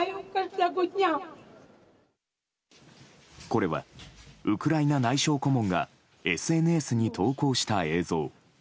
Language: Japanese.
これはウクライナ内相顧問がＳＮＳに投稿した映像。